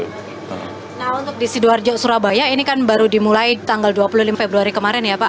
nah untuk di sidoarjo surabaya ini kan baru dimulai tanggal dua puluh lima februari kemarin ya pak